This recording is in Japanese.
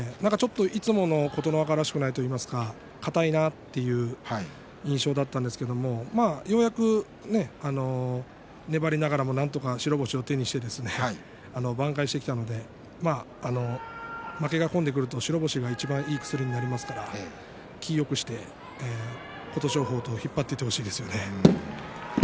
いつもの琴ノ若らしくないといいますか硬いなという印象があったんですけれどもようやく粘りながらなんとか白星を手にして挽回してきたので負けが込んでくると白星がいちばんいい薬になりますから、気をよくして琴勝峰と引っ張っていってほしいですね。